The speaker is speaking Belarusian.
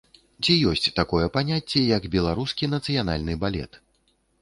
Ці ёсць такое паняцце, як беларускі нацыянальны балет?